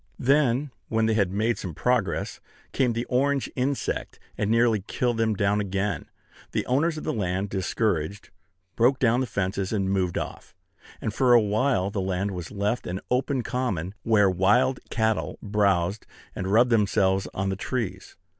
Then, when they had made some progress, came the orange insect, and nearly killed them down again. The owners of the land, discouraged, broke down the fences, and moved off; and for a while the land was left an open common, where wild cattle browsed, and rubbed themselves on the trees.